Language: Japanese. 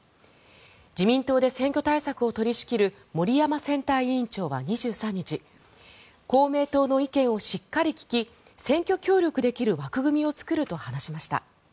自民党で選挙対策を取り仕切る森山選対委員長は２３日公明党の意見をしっかり聞き選挙協力できる枠組みを作ると話しました。